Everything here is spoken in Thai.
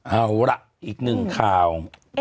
เอาล่ะอีกหนึ่งข่าว